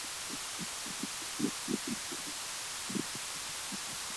该文物保护单位由安图县文物管理所管理。